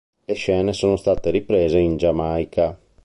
Le scene sono state riprese in Giamaica.